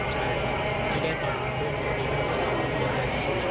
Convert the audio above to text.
ตอนนี้เป็นครั้งหนึ่งครั้งหนึ่ง